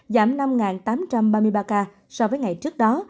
giảm năm tám trăm ba mươi ba ca so với ngày trước đó